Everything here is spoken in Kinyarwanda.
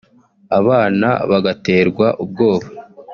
abana bagaterwa ubwoba